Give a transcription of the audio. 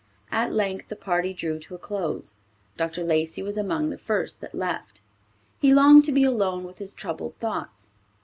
At length the party drew to a close. Dr. Lacey was among the first that left. He longed to be alone with his troubled thoughts.